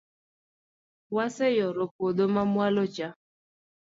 waseyoro puodho ma mwalo cha